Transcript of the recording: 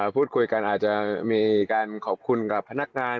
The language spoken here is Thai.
พูดคุยกันอาจจะมีการขอบคุณกับพนักงาน